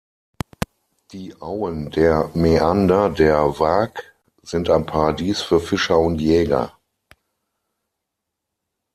Die Auen der Mäander der Waag sind ein Paradies für Fischer und Jäger.